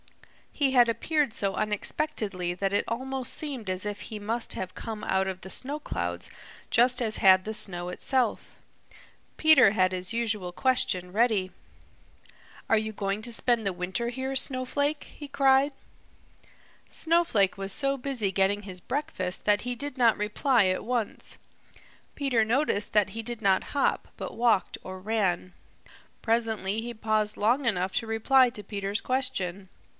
He had appeared so unexpectedly that it almost seemed as if he must have come out of the snow clouds just as had the snow itself. Peter had his usual question ready. "Are you going to spend the winter here, Snowflake?" he cried. Snowflake was so busy getting his breakfast that he did not reply at once. Peter noticed that he did not hop, but walked or ran. Presently he paused long enough to reply to Peter's question.